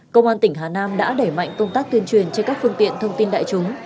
công an tỉnh hà nam đã đẩy mạnh công tác tuyên truyền trên các phương tiện thông tin đại chúng